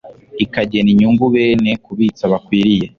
ikagena inyungu bene kubitsa bakwiriye